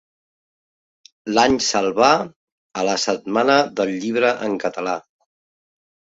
L'Any Salvà a La Setmana del Llibre en Català.